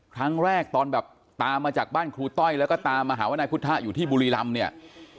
ตอนแรกตอนแบบตามมาจากบ้านครูต้อยแล้วก็ตามมาหาว่านายพุทธะอยู่ที่บุรีรำเนี่ย